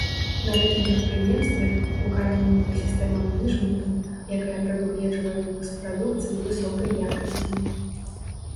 На гэтым прадпрыемстве, укаранёная сістэма менеджменту, якая прадугледжвае выпуск прадукцыі высокай якасці.